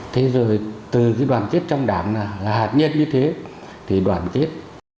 thế rồi từ cái đoàn kết trong đảng là hạt nhân như thế thì đoàn kết